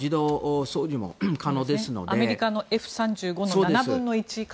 アメリカのＦ３５戦闘機の７分の１価格。